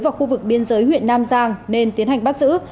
vào khu vực biên giới huyện nam giang nên tiến hành bắt giữ